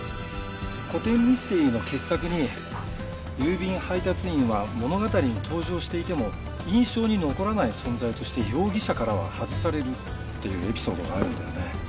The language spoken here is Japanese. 古典ミステリーの傑作に郵便配達員は物語に登場していても印象に残らない存在として容疑者からは外されるっていうエピソードがあるんだよね。